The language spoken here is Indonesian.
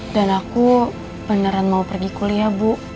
dan aku beneran mau pergi kuliah bu